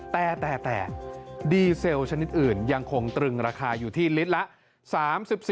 แต่แต่ดีเซลชนิดอื่นยังคงตรึงราคาอยู่ที่ลิตรละ๓๔